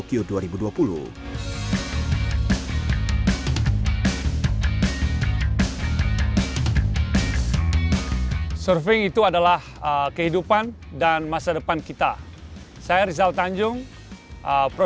yang harus dikenali juga